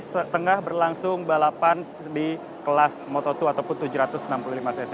setengah berlangsung balapan di kelas moto dua ataupun tujuh ratus enam puluh lima cc